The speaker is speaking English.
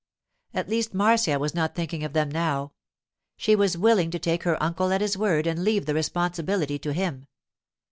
At least Marcia was not thinking of them now; she was willing to take her uncle at his word and leave the responsibility to him.